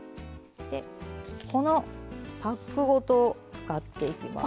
このパックごと使っていきます。